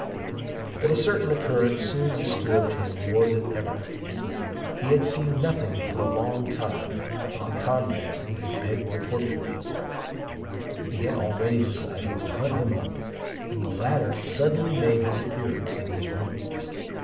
But a certain occurrence soon disturbed him more than ever. He had seen nothing for a long time of the comrade who had begged the portrait of him. He had already decided to hunt him up, when the latter suddenly made his appearance in his room.